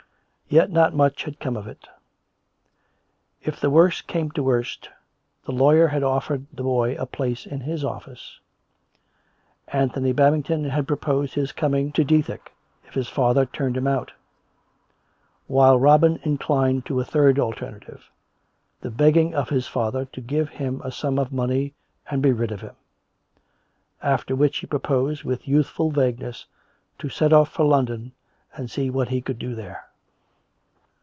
Yet not much had come of it. If the worst came to the worst, the lawyer had offered the boy a place in his office; Anthony Babing ton had proposed his coming to Dethick if his father turned him out; while Robin himself inclined to a third alterna tive — the begging of his father to give him a sum of money and be rid of him ; after which he proposed, with youthful vagueness, to set off for London and see what he could do there.